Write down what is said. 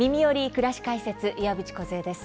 くらし解説」岩渕梢です。